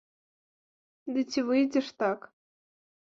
Ды ці выйдзе ж так?